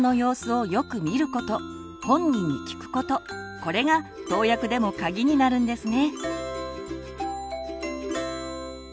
これが投薬でもカギになるんですね。